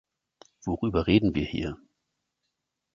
Worüber reden wir hier?